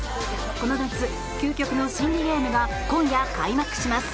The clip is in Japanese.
この夏、究極の心理ゲームが今夜開幕します！